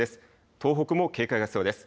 東北も警戒が必要です。